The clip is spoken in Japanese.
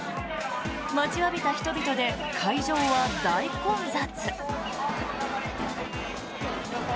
待ちわびた人々で会場は大混雑。